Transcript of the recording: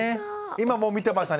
今もう見てましたね。